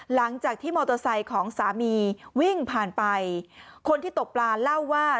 หลังจากที่มอเตอร์ไซค์ของสามีวิ่งผ่านไปคนที่ตกปลาเล่าว่า